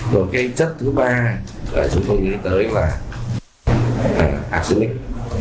rồi cái chất thứ ba chúng tôi nghĩ tới là arsenic